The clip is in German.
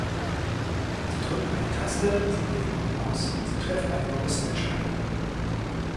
Sie drücken eine Taste, Sie bewegen die Maus, Sie treffen eine bewusste Entscheidung.